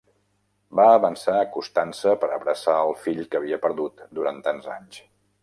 Va avançar acostant-se per abraçar al fill que havia perdut durant tants anys.